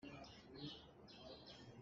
Hika hin hlat pi ah kan um.